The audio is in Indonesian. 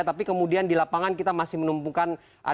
tapi kemudian di lapangan kita masih menumpukan